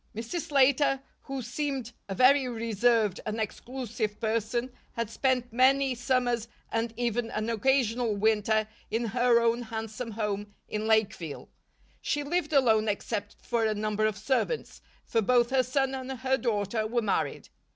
Mrs. Slater, who seemed a very reserved and exclusive person, had spent many summers and even an occasional winter in her own handsome home in Lakeville. She lived alone except for a number of servants; for both her son and her daughter were married.